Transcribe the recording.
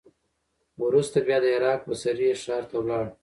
وروسته بیا د عراق بصرې ښار ته ولاړ.